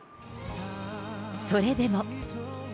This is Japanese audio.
それでも。